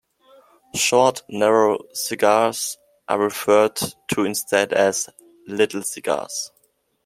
Short, narrow cigars are referred to instead as "little cigars".